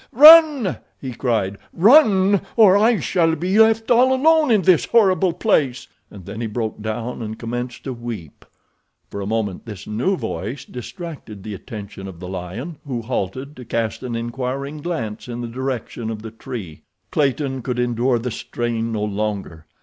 Run!" he cried. "Run, or I shall be left all alone in this horrible place," and then he broke down and commenced to weep. For a moment this new voice distracted the attention of the lion, who halted to cast an inquiring glance in the direction of the tree. Clayton could endure the strain no longer.